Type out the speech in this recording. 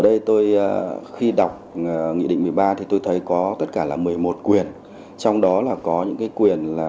ở đây tôi khi đọc nghị định một mươi ba thì tôi thấy có tất cả là một mươi một quyền trong đó là có những cái quyền là